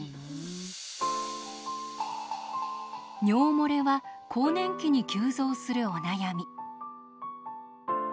尿もれは更年期に急増するお悩み。